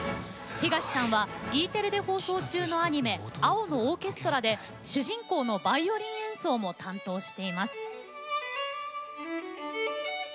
東さんはＥテレで放送中のアニメ「青のオーケストラ」で主人公のバイオリン演奏も担当しています。